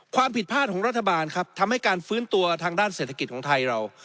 ความผิดพลาดของรัฐบาลครับทำให้การฟื้นตัวทางด้านเศรษฐกิจของไทยเรา